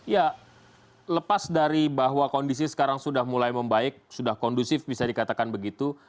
ya lepas dari bahwa kondisi sekarang sudah mulai membaik sudah kondusif bisa dikatakan begitu